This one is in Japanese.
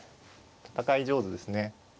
戦い上手ですね。